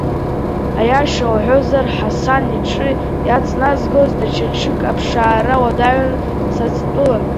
Аиаша уҳәозар, Ҳасан иҽы иацназгоз даҽа ҽык аԥшаара уадаҩын Саӡтәыла.